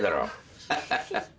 ハハハハ。